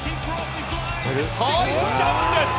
打っちゃうんです。